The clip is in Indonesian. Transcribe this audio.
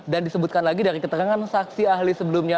dan disebutkan lagi dari keterangan saksi ahli sebelumnya